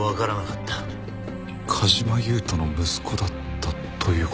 梶間優人の息子だったという事ですか？